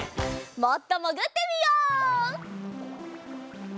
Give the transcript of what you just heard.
もっともぐってみよう！